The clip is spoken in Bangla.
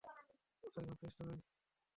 কোথায় ভাগছিস তুই?